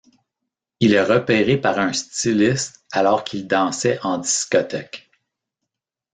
Il est repéré par un styliste alors qu'il dansait en discothèque.